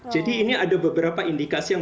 jadi ini ada beberapa indikasi yang